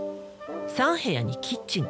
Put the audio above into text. ３部屋にキッチン。